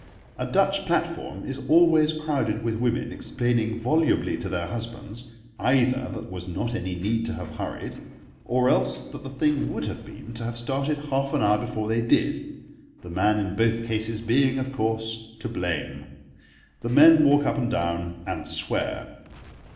A Dutch platform is always crowded with women explaining volubly to their husbands either that there was not any need to have hurried, or else that the thing would have been to have started half an hour before they did, the man in both cases being, of course, to blame. The men walk up and down and swear.